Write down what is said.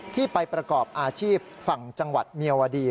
ที่ไปประกอบอาชีพฝั่งจังหวัดเมียวดี